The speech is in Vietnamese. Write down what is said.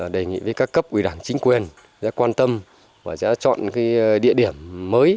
đề nghị với các cấp ủy đảng chính quyền sẽ quan tâm và sẽ chọn địa điểm mới